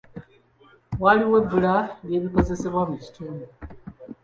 Waliwo ebbula ly'ebikozesebwa mu kitundu.